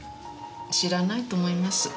知らないと思います。